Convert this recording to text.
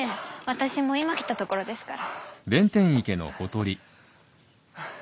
私も今来たところですから。